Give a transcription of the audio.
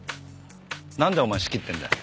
なんでお前仕切ってんだよ。